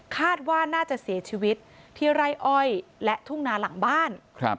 คาดว่าน่าจะเสียชีวิตที่ไร่อ้อยและทุ่งนาหลังบ้าน